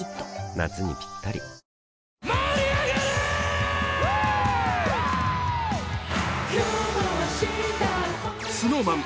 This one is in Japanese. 夏にピッタリＳｎｏｗＭａｎ